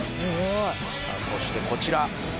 「さあそしてこちら。